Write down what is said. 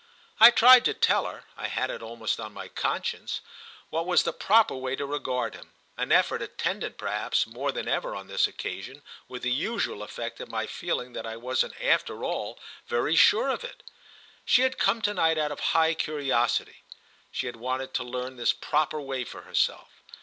I tried to tell her—I had it almost on my conscience—what was the proper way to regard him; an effort attended perhaps more than ever on this occasion with the usual effect of my feeling that I wasn't after all very sure of it. She had come to night out of high curiosity—she had wanted to learn this proper way for herself.